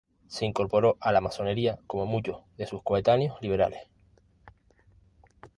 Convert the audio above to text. Se incorporó a la masonería como muchos de sus coetáneos liberales.